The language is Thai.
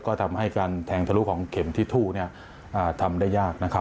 ก็ทำให้การแทงทะลุของเข็มที่ทู่ทำได้ยากนะครับ